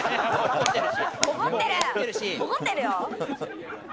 怒ってるよ。